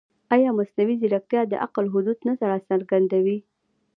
ایا مصنوعي ځیرکتیا د عقل حدود نه راڅرګندوي؟